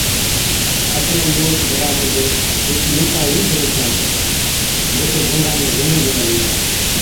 اصلا ۾ اوهچ گھرا منجھ هيڪ موٽا رِينڇ ريهٿا، جڪو جھنگا ۾ گھُمُون گيلا هِلا۔